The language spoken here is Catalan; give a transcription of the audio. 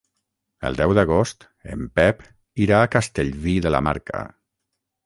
El deu d'agost en Pep irà a Castellví de la Marca.